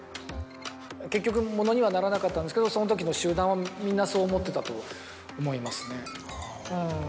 結局物にはならなかったんですけどその時の集団はみんなそう思ってたと思いますね。